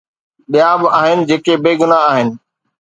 ٻيا به آهن جيڪي بيگناهه آهن.